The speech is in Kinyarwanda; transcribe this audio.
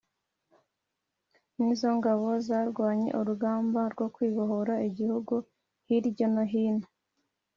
nizo ngabo zarwanye urugamba rwo kubohora igihugu hiryo no hino .